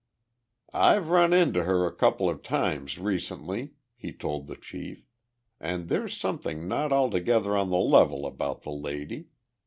"I've run into her a couple of times recently," he told the chief, "and there's something not altogether on the level about the lady.